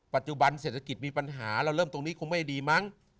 ปัจจุบันเศรษฐกิจมีปัญหาเราเริ่มตรงนี้คงไม่ดีมั้ง